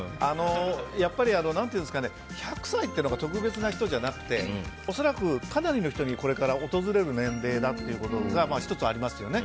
やっぱり１００歳っていうのが特別な人じゃなくて恐らく、かなりの人にこれから訪れる年齢だということが１つありますよね。